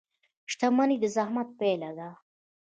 • شتمني د زحمت پایله ده.